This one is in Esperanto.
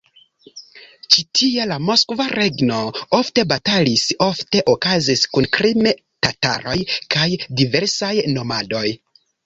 Ĉi tie la Moskva Regno ofte batalis ofte okazis kun krime-tataroj kaj diversaj nomadoj.